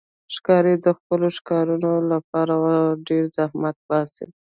ښکاري د خپلو ښکارونو لپاره ډېر زحمت باسي.